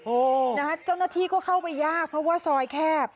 โอ้โหนะฮะเจ้าหน้าที่ก็เข้าไปยากเพราะว่าซอยแคบ